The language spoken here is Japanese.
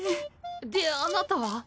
であなたは？